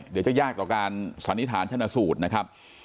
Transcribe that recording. เดี๋ยวจะยากต่อการสันนิษฐานชนสูตรนะครับ